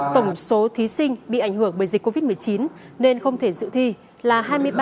tổng số thí sinh bị ảnh hưởng bởi dịch covid một mươi chín nên không thể dự thi là hai mươi ba năm trăm sáu mươi chín